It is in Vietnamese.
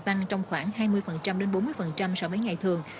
tăng trong khoảng hai mươi đến bốn mươi so với ngày thường